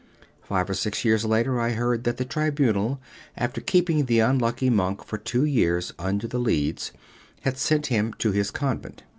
Five or six years later, I heard that the Tribunal, after keeping the unlucky monk for two years under the Leads, had sent him to his convent.